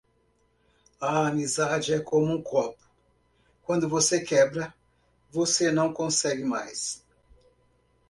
A amizade é como um copo: quando você quebra, você não consegue mais.